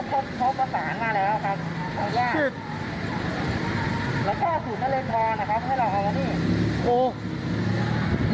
ก็สามารถเลยอ่ะครับ